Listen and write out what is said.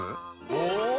お！